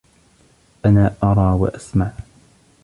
أنا أرى وأسمع.